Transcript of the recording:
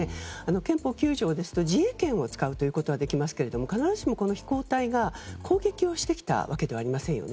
憲法９条ですと、自衛権を使うということはできますけれども必ずしも、この飛行体が攻撃をしてきたわけではありませんよね。